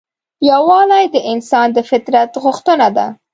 یووالی د انسان د فطرت غوښتنه ده.